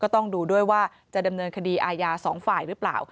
ต้องดูด้วยว่าจะดำเนินคดีอาญาสองฝ่ายหรือเปล่า